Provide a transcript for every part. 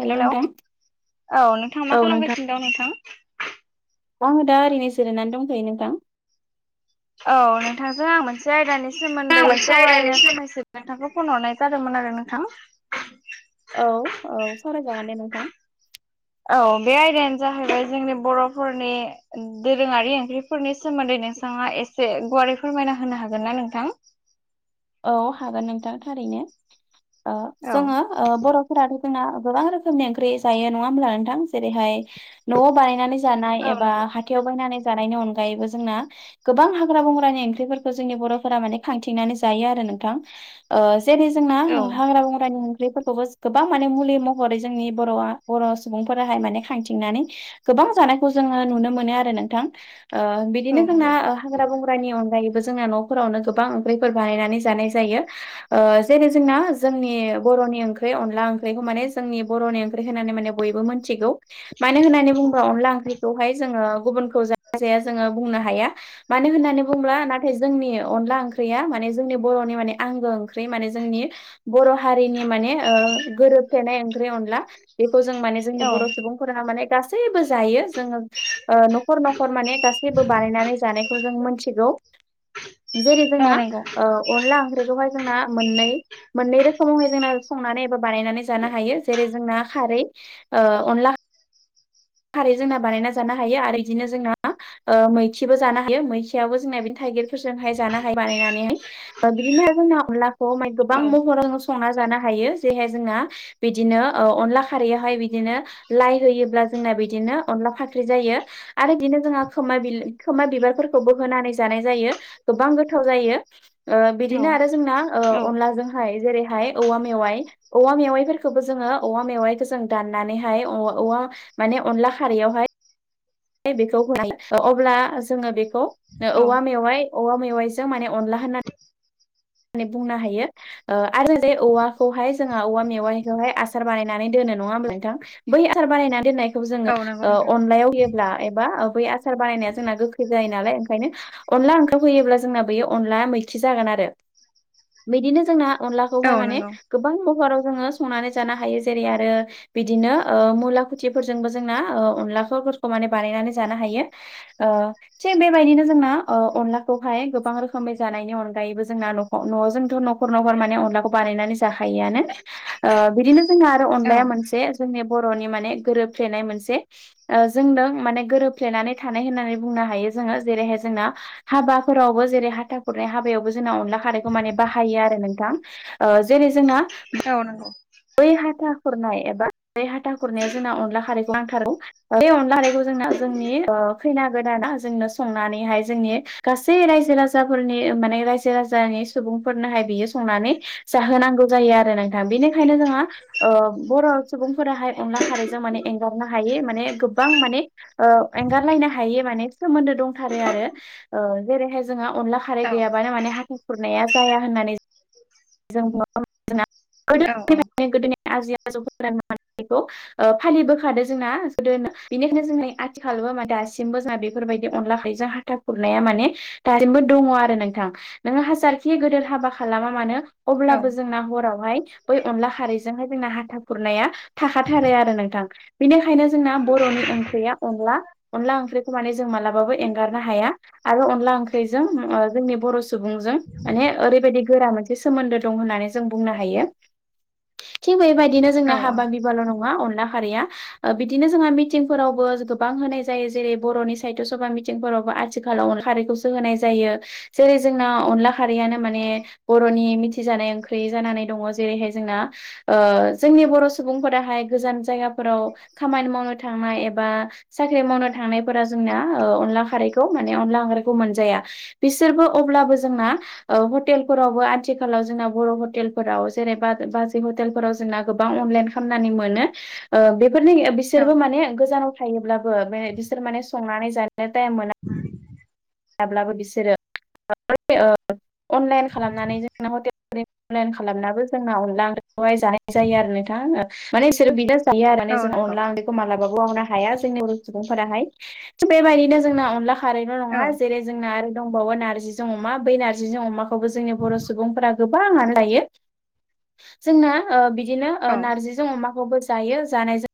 हेल' hello नोंथां औ नोंथां मा खालामगासिनो दं नोंथां। आङो दा ओरैनो जिरायनानै दंथयो नोंथां। औ नोंथांजों आं मोनसे आयदानि सोमोन्दै मोनसे आयदानि सावरायनो सोमोन थाखायसो नोंथांखौ फन हरनाय जादोंमोन आरो नोंथां। औ औ सावरायजागोन दे नोंथां। औ बे आयदायानो जाहैबाय जोंनि बर'फोरनि दोरोङारि ओंख्रिफोरनि सोमोन्दै नोंथाङा एसे गुवारै फोरमायना होनो हागोन ना नोंथां? औ हागोन नोंथां थारैनो ओ औ जोङो ओ बर'फोराथ' जोंना गोबां रोखोमनि ओंख्रि जायो नङा होमब्ला नोंथां जेरैहाय न'आव बानायनानै जानाय औ एबा नंगौ हाथायाव बायनानै जानायनि अनगायैबो जोंना गोबां हाग्रा बंग्रानि ओंख्रिफोरखौ जोंनि बर'फोरा माने खांथिंनानै जायो आरो नोंथां ओ जेरै जोंना औ हाग्रा बंग्रानि [unintelligible] खौबो गोबां माने मुलि महरै जोंनि बर'आ बर' सुबुंफोराहाय माने खांथिंनानै गोबां जानायखौ जोङो नुनो मोनो आरो नोंथां। ओ औ बिदिनो जोंना नंगौ हाग्रा बंग्रानि अनगायैबो जोंना न'फोरावनो गोबां ओंख्रि फोर बानायनानै जानाय जायो। ओ जेरै जोंना जोंनि बर'नि ओंख्रि अनला ओंख्रिखौ माने जोंनि बर'नि ओंख्रि होनानै माने बयबो मोनथिगौ मानो होननानै बुंङोबा अनला ओंख्रिखौहाय जोङो गुबुनखौ जाया जोङो बुंनो हाया मानो होननानै बुंब्ला नाथाय जोंनि अनला ओंख्रि ओंख्रिया माने जोंनि बर'नि माने आंगो ओंख्रि माने जोंनि बर' हारिनि माने ओ गोरोबथेनाय ओंख्रि अनला। बेखौ जों माने जोंनि औ बर' सुबुंफोरा माने गासैबो जायो जोङो ओ न'खर न'खर माने गासैबो बानायनानै जानायखौ जों मोनथिगौ जेरै औ जोंना नंगौ ओ अनला ओंख्रिखौहाय जोंना मोननै मोननै रोखोमावहाय जोंना संनानै एबा बानायनानै जानो हायो जेरै जोंना खारै। ओ अनला खारै जोंना बानायना जानो हायो आरो इदिनो जोंना ओ मैखिबो जानो हायो मैखियावबो जोंना बिनो थाइगिरफोरजोंहाय जानो हायो बानायनानैहाय। ओ बिदिनो जोंना अनलाखौ मान गोबां औ महराव संना जानो हायो जेरैहाय जोंहा बिदिनो ओ अनला खारैयावहाय बिदिनो लाइ होयोब्ला जोंना बिदिनो अनला फाख्रि जायो। आरो बिदिनो जोंहा खोमा खोमा बिबारफोरखौबो होनानै जानाय जायो। गोबां गोथाव जायो ओ औ बिदिनो आरो जोंना ओ औ अनलाजों हाय जेरैहाय औवा मेवाइ औवा मेवाइफोरखौबो जोङो औवा मेवाइखौ जों दाननानैहाय [unintelligible] माने अनला खारैयावहाय बेखौ होनाय अब्ला जोङो बेखौ औवा औ मेवाइ औवा मेवाइजों माने अनला होननानै बुंनो हायो। ओ आरो जे औवाखौहाय जोंहा औवा मेवानिखौहाय आसार बानायनानै दोनो नङा होमब्ला नोंथां। बै आसार बानायना दोननायखौ जोङो औ नंगौ ओ नोंथां अनलायाव ला एबा बै आसार बानायनाया जोंना गोखै जायो नालाय ओंखायनो अनला [unintelligible] होयोब्ला जोंना बेयो अनलाया मैखि जागोन आरो बिदिनो जोंना अनलाखौहाय औ माने नंगौ गोबां महराव जोङो संनानै जानो हायो जेरै आरो बिदिनो ओ मुला खुथिफोरजोंबो जोंना ओ अनलाखौफोरखौ माने बानायनानै जानो हायो। ओ थिग बेबायदिनो जोंना ओ अनलाखौहाय गोबां रोखोमै जानायनि अनगायैबो जोंना न न' जोंथ' न'खर न'खर माने अनलाखौ बानायनानै जाखायोआनो ओ बिदिनो जोंना आरो औ अनलाया मोनसे जोंनि बर'नि माने गोरोबफ्लेनाय मोनसे ओ जोंदों माने गोरोबफ्लेनानै थानाय होननानै बुंनो हायो जोङो जेरैहाय जोंना हाबाफोरावबो जेरै हाथा खुरनाय हाबायावबो जोंना अनला खारखौ माने बाहायो आरो नोंथां। ओ जेरै जोंना औ नोंगौ। बै हाथा खुरनाय एबा बे हाथा खुरनायाव जोंना अनला खारैखौ नांथारो। बे अनला हारैखौ जोंना जोंनि ओ खैना गोदाना जोंनो संनानैहाय जोंनि गासै रायजो राजाफोरनि माने रायजो राजानि सुबुंफोरनोहाय बियो संनानै जाहोनांगौ जायो आरो नोंथां बेनिखायनो जोंहा ओ बर' सुबुंफोराहाय अनला खारैजों माने एंगारनो हायै माने गोबां माने ओ एंगारलायनो हायि माने सोमोन्दो दंथारो आरो ओ जेरैहाय जोंहा अनला खारै औ गैयाबानो माने हाथा खुरनाया जाया होननानै [inaudible] जों गोदो औ औ। गोदोनि आजै आजौ [unintelligible] ओ फालिबोखादो जोंना गोदोनो बेनिखायनो जोंनि आथिखालोबो मा दासिमबो जोंना बेफोरबायदि अनला खारैजों हा था खुरनाया माने दासिमबो दङो आरो नोंथां नोङो हाजारखि गोदोर हाबा खालामा मानो औ अब्लाबो जोंना हरावहाय बै अनला खारैजोंहाय जोंना हाथा खुरनाया थाखाथारो आरो नोंथां। बेनिखायनो जोंना बर'नि ओंख्रिया अनला अनला ओंख्रिखौ माने जों मालाबाबो एंगारनो हाया। आरो अनला ओंख्रिजों ओ जोंनि बर' सुबुंजों माने ओरैबायदि गोरा मोनसे सोमोन्दो दं होननानै जों बुंनो हायो। थिग बेबायदिनो औ जोंना हाबा बिबाल' नङा अनला खारैया बिदिनो जोंहा मिटिंफोरावबो गोबां होनाय जायो जेरै बर'नि साहित्य सभा मि टिंफोरावबो आथिखालाव खारैखौसो होनाय जायो। जेरै जोंना अनला खारैयानो माने बर'नि मिथिजानाय ओंख्रि जानानै दङ जेरैहाय जोंना ओ जोंनि बर' सुबुंफोराहाय गोजान जायगाफोराव खामानि मावनो थांनाय एबा साख्रि मावनो थांनायफोरा जोंनिया ओ अनला खारैखौ माने अनला ओंख्रिखौ मोनजाया। बिसोरबो अब्लाबो जोंना ओ हटेलफोरावबो आथिखालाव जोंना बर' हटेलफोराव जेनेबा बाजै हटेलफोराव जोंना गोबां अनलाइन खामनानै मोनो ओ बेफोरनि ओ बि औ बिसोरबो माने गोजानाव थायोब्लाबो बे बिसोर माने संनानै जानो टाइम मोना। हाब्लाबो बिसोरो [unintelligible] अनलाइन खालामनानै जोंना हटेल [unintelligible] अनलाइन खालामनाबो जोंना अनला ओंख खौहाय जानाय जायो आरो नोंथां माने इसोरो बिराद जायो आरो औ जों नंगौ अनला ओंख्रिखौ मालाबाबो [unintelligible] हाया जोंनि बर' सुबुंफोराहाय स' बेबायदिनो जोंना अनला खारैल' नङा औ जे जोंना आरो दंबावो नार्जिजों अमा बै नार्जिजों अमाखौबो जोंनि बर' सुबुंफोरा गोबांआनो जायो जोंना‌ ओ बिदिनो ओ औ नारजि जों अमाखौबो जायो जानायजों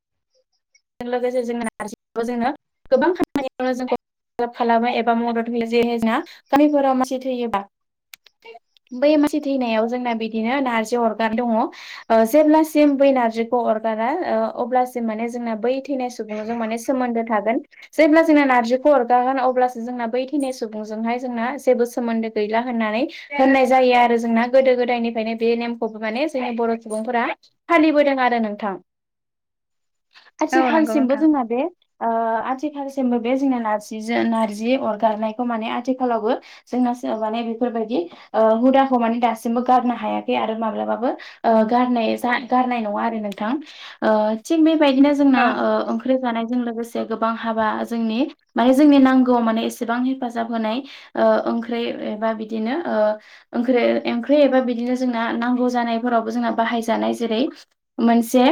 लोगोसे जों नार्जिखौबो जोंनो गोबां खामानियावनो जोंखौ [unintelligible] खालामो एबा मदद होयो जेहे जोंना गामिफोराव मानसि थैयोबा बै मानसि थैनायाव जोंना बिदिनो नार्जि अरगार दङ। ओ जेब्लासिम बै नार्जिखौ अरगारा ओ अब्लासिम माने जोंना बै थैनाय सुबुंजों माने सोमोन्दो थागोन। जेब्ला जोंना नार्जिखौ अरगागोन अब्लासो जोंना बै थैनाय सुबुंजोंहाय जोंना जेबो सोमोन्दो गैला होननानै होननाय जायो आरो जोंना गोदो गोदायनिफायनो बे नेमखौबो माने जोंनि बर' सुबुंफोरा फालिबोदों आरो नोंथां। औ नंगौ आथिखालसिमबो नोंथां जोंना बे ओ आथिखालसिमबो बे जोंना नारजिजों नारजि अरगारनायखौ माने आथिखालावबो जोंना बे माने बेफोरबायदि हुदाखौ माने दासिमबो गारनो हायाखै आरो माब्लाबाबो ओ गारनाय नङा आरो नोंथां ओ थिग बेबायदिनो जोंना औ ओ ओंख्रि होफानायजों लोगोसे गोबां हाबा जोंनि माने जोंनि नांगौआव माने एसेबां हेफाजाब होनाय ओ ओंख्रि एबा बिदिनो ओ ओंख्रि ओंख्रि एबा बिदिनो जोंना नांगौ जानायफोरावबो जोंना बाहाय जानाय जेरै मोनसे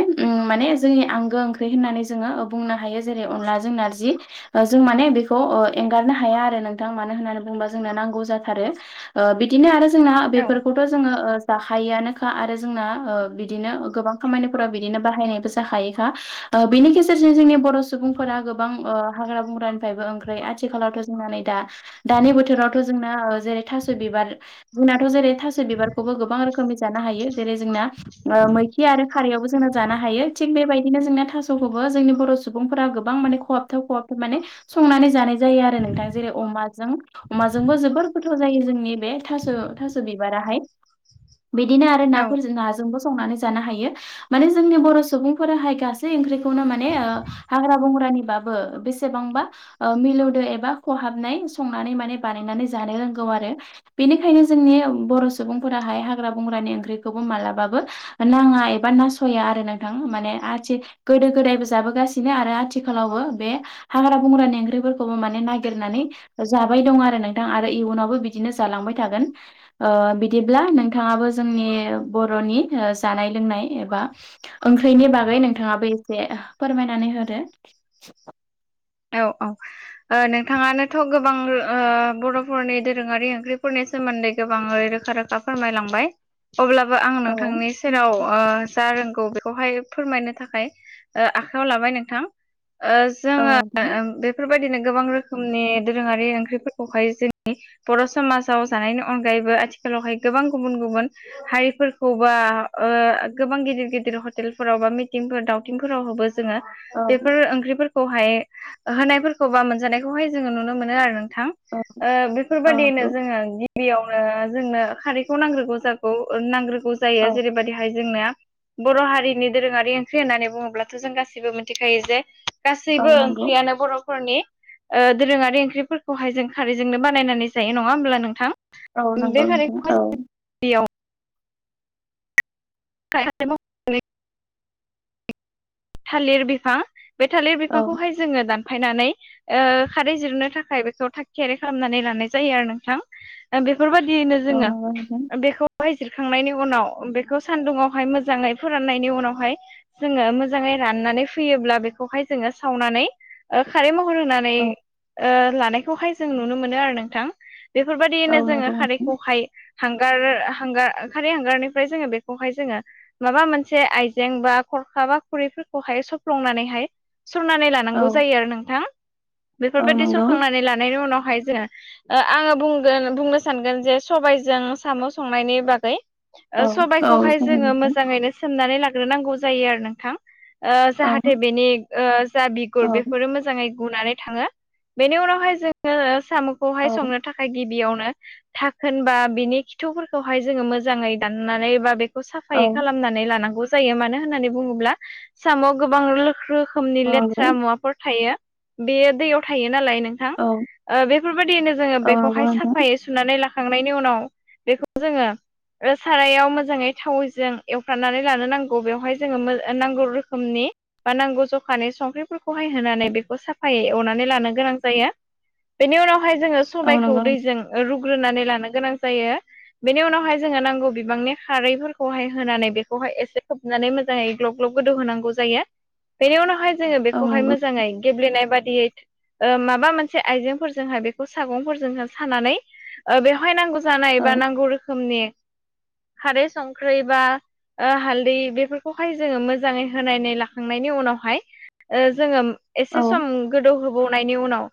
माने जोंनि आंगो ओं ओंख्रि होननानै जोङो बुंनो हायो जेरै अनलाजों, नारजि जों माने बेखौ एंगारनो हाया आरो नोंथां मानो होननानै बुंबा जोंनो नांगौ जाथारो। ओ बिदिनो आरो जोंना औ बेफोरखौ बेखौथ' जोङो जाखायोखा आरो जोंना बिदिनो गोबां खामानिफोराव बिदिनो बाहायनाय जाखायोखा बिनि गेजेरजों जोंनि बर' सुबुंफोरा गोबां हाग्रा बंग्रानिफ्रायबो ओंख्रि आथिखालावथ' संनानै दा दानि बोथोरावथ' जोंना जेरै थास' बिबार जोंनाथ' जेरै थाससे बिबारखौ गोबां रोमनि जानो हायो जेरै जोंना मैथा आरो खारियावबो जानो हायो थि बेबायदिनो जोंना थास'खौबो जोंनि बर' सुबुंफोरा गोबां माने खहाबथाव खहाबथाव माने संनानै जानाय जायो आरो नोंथां जेरै अमाजों अमाजोंबो जोबोर गोथाव जायो जोंनि बे थास' थास' बिबाराहाय। बिदिनो आरो औ नाफोरजों नाजोंबो संनानै जानो हायो मान जोंनि बर' सुबुंफोराहाय गासै ओंख्रि खौनो माने हाग्रा बंग्रानिबाबो बेसेबांबा मिलौदो एबा खहाबनाय संनानै माने बानायनानै जानो रोंगौ आरो। बेनिखायनो जोंनि बर' सुबुंफोराहाय हाग्रा बंग्रानि ओंख्रिखौबो मालाबाबो नाङा एबा नास'या आरो नोंथां माने आथि गोदो गोदायबो जाबोगासिनो आरो आथिखालावबो बे हाग्रा बंग्रानि ओंख्रिफोरखौबो माने नागिरनानै जाबाय दं आरो नोंथां आरो इयुनावबो बिदिनो जालांबाय थागोन। ओ बिदिब्ला नोंथाङाबो जोंनि बर'नि जानाय लोंनाय एबा ओंख्रिनि बागै नोंथाङाबो एसे फोरमायनानै होदो। औ औ नोंथाङानोथ' गोबां ओ बर'फोरनि दोरोङारि ओंख्रिफोरनि सोमोन्दै गोबाङै रोखा रोखा फोरमायलांबाय अब्लाबो आं औ नोंथांनि सेराव ओ जा रोंगौ बेखौहाय फोरमायनो थाखाय आखाइ आव लाबाय नोंथां। ओ [unintelligible] औ नोंथां। बेफोरबायदिनो गोबां रोखोमनि दोरोङारि ओंख्रिफोरखौहाय जोंनि बर' समाजाव जानायनि अनगायैबो आथिखालावहाय गोबां गुबुन गुबुन हारिफोरखौ बा ओ गोबां गिदिर गिदिर हटेलफोराव बा मिटिंफोर दाव थिंफोरावबो जोङो औ बेफोर ओंख्रिफोरखौहाय होनायफोरखौ बा मोनजानायखौहाय जोङो नुनो मोनो आरो नोंथां। औ ओ औ बेफोरबायदियैनो नंगौ जोङो गिबियावनो जोंनो खारैखौ नांग्रोगौ जागौ नांग्रोगौ औ जायो जेरैबायदिहाय जोंना बर' हारिनि दोरोङारि ओंख्रि होननानै बुङोब्लाथ' जों गासैबो मिथिखायो जे औ गासैबो नंगौ ओंख्रियानो बर'फोरनि ओ दोरोङारि ओंख्रिफोरखौहाय जों खारैजोंनो बानायनानै जायो नङा होमब्ला नोंथां? औ नंगौ नोंथां औ [inaudible] [unintelligible] थालिर बिफां बे थालिर औ बिफांखौहाय जोङो दानफायनानै ओ खारै जिरनो थाखाय बेखौ थागथियारि खालामनानै लानाय जायो आरो नोंथां। ओ बेफोरबायदियैनो औ जोङो नंगौ नोंथां बेखौहाय जिरखांनायनि उनाव बेखौ सान्दुंआवहाय मोजाङै फोराननायनि उनावहाय जोङो मोजाङै राननानै फैयोब्ला बेखौहाय जोङो सावनानै ओ खारै महर होनानै औ ओ लानायखौहाय जों नुनो मोनो आरो नोंथां। औ बेफोरबायदियैनो जोङो नंगौ नोंथां खारैखौहाय हांगार- हांगार खारै हांगारनिफ्राय जोङो बे खौहाय जोङो माबा मोनसे आइजें बा खरखा बा खुरैफोरखौहाय सफ्लंनानैहाय सरनानै औ लानांगौ जायो आरो नोंथां। औ बेफोरबायदि नंगौ सरखांनानै लानायनि उनावहाय जोङो ओ आङो बुंगोन बुंनो सानगोन जे सबायजों साम' संनायनि बागै औ औ जागोन [unintelligible] ओंखायनो सोमनानै लाग्रोनांगौ जायो आरो नोंथां। ओ औ जाहाथे बेनि ओ जा बिगुर औ बेफोरो मोजाङै हुनानै थाङो। बेनि उनावहाय जोङो औ साम'खौहाय संनो थाखाय गिबियावनो थाखोनबा बिनि खिथुफोरखौहाय जोङो मोजाङै दाननानै बा बे साफायै औ खालामनानै लानांगौ जायो मानो होननानै बुङोब्ला साम'आव गोबां‌ लोख रो खोमनि औ लेथ्रा नंगौ मुवाफोर थायो। बेयो दैयाव थायो नालाय नों थां। औ ओ बेफोरबायदियैनो जोङो औ बेखौहाय नंगौ नोंथां साफायै सुनानै ला खांनायनि उनाव बेखौ जोङो सारायाव मोजाङै थावजों एवफ्रानानै लानो नांगौ बेवहाय जोङो नांगौ रोखोमनि बा नांगौ जखानि संख्रिफोरखौहाय होनानै बेखौ साफायै एवनानै लानो गोनां जायो। बेनि उनावहाय जोङो औ सबायखौ नंगौ दैजों रुग्रोनानै लानो गोनां जायो। बेनि उनावहाय जोङो नांगौ बिबांनि खारैफोर खौहाय होनानै बेखौहाय एसे खोबनानै मोजाङै ग्लब ग्लब गोदौ होनांगौ जायो। बेनि उनावहाय जोङो औ बेखौहाय नंगौ मोजाङै गेब्लेनाय बादियै ओ माबा मोनसे आइजेंफोरजोंहाय बेखौ सागंफोरजोंहाय सानानै ओ बेवहाय नांगौ जानाय औ बा नांगौ रोखोमनि खारै संख्रै बा ओ हालदै बेफोरखौहाय जोङो मोजाङै होनाय लाखांनायनि उनावहाय ओ जोङो औ एसे सम गोदौहोबावनायनि उनाव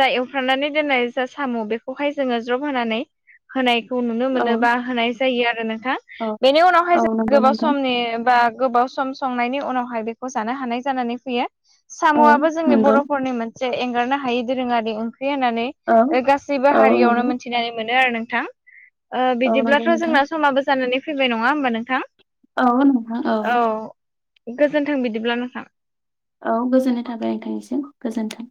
जा एवफ्रामनानै दोननाय जा साम' बेखौहाय जोङो ज्रब होनानै होनायखौ नुनो औ मोनोबा होनाय जायो आरो नोंथां। औ बेनि उनावहाय औ जों नंगौ गोबाव नोंथां समनि बा गोबाव सम संनायनि उनावहाय बेखौ जानो हानाय जानानै फैयो। औ साम'आबो जोंनि नंगौ बर'फोरनि मोन बे एंगारनो हायि दोरोङारि ओंख्रि होननानै औ गासैबो औ हारियावनो नंगौ मोन थिनानै मोनो आरो नोंथां। ओ औ नंगौ बिदिब्लाथ' नोंथां जोंना समाबो जानानै फैबाय नङा होमबा नोंथां! औ नोंथां औ। गोजोन्थों बिदिब्ला नोंथां। औ गोजोननाय थाबाय नोंथांनिसिम। गोजोन्थों